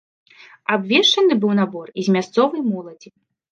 Абвешчаны быў набор і з мясцовай моладзі.